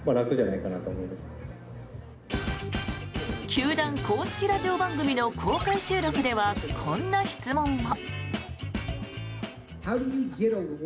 球団公式ラジオ番組の公開収録では、こんな質問も。